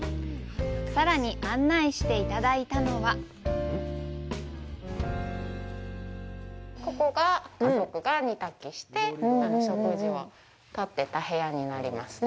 さらに案内していただいたのはここが家族が煮炊きして食事をとってた部屋になりますね。